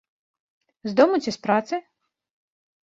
З дому ці з працы?